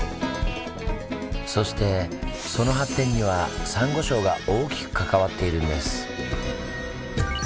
そしてその発展にはサンゴ礁が大きく関わっているんです。